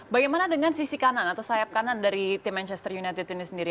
bagaimana dengan sisi kanan atau sayap kanan dari tim manchester united ini sendiri